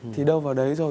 thì đâu vào đấy rồi